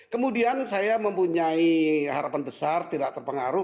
kemudian saya mempunyai harapan besar tidak terpengaruh